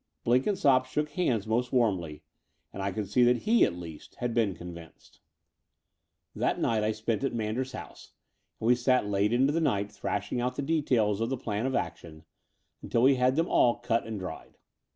Blenkinsopp shook hands most warmly; and I could see that he, at least, had been convinced. 204 The Door of the Unreal XVIII That night I spent at Manders's house, and we sat late into the night thrashing out the details of the plan of action until we had them all cut and dried.